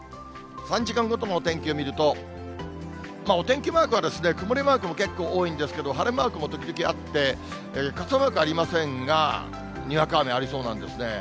３時間ごとのお天気を見ると、お天気マークは曇りマークも結構多いんですけど、晴れマークも時々あって、傘マークありませんが、にわか雨、ありそうなんですね。